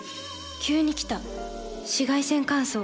急に来た紫外線乾燥。